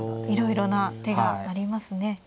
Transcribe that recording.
いろいろな手がありますね。